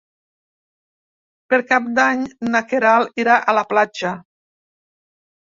Per Cap d'Any na Queralt irà a la platja.